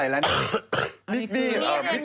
อาณาวนามก่อนจาก